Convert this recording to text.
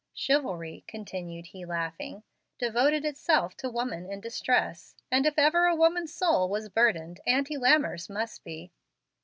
Chivalry," continued he, laughing, "devoted itself to woman in distress, and if ever a woman's soul was burdened, Aunt Lammer's must be.